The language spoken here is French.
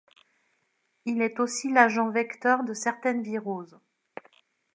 Il est aussi l'agent vecteur de certaines viroses.